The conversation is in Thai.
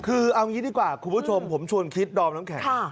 คือเอางี้ดีกว่าคุณผู้ชมผมชวนคิดดอมน้ำแข็ง